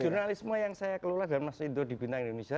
jurnalisme yang saya kelola dan mas indro di bintang indonesia